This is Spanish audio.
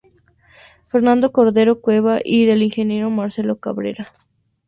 Fernando Cordero Cueva y del Ing. Marcelo Cabrera.